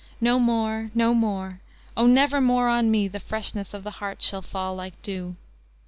"No more, no more, O never more on me The freshness of the heart shall fall like dew."